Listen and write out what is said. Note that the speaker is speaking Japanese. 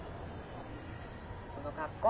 この格好。